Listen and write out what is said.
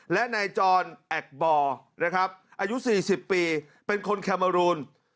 และนายจรแอคบอร์นะครับอายุ๔๐ปีเป็นคนแคเมอรูน